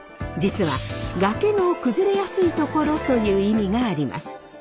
実は崖の崩れやすいところという意味があります。